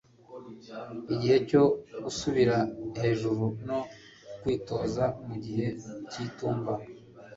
igihe cyo gusubira hejuru no kwitoza mu gihe cy'itumba